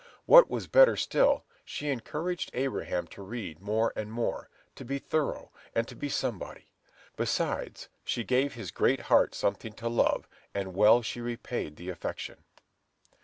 What was better still, she encouraged Abraham to read more and more, to be thorough, and to be somebody. Besides, she gave his great heart something to love, and well she repaid the affection.